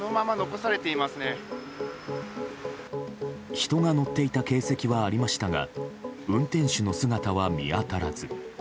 人が乗っていた形跡はありましたが運転手の姿は見当たらず。